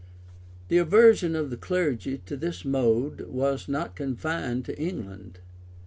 [] The aversion of the clergy to this mode was not confined to England.